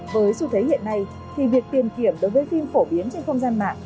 với xu thế hiện nay thì việc tiền kiểm đối với phim phổ biến trên không gian mạng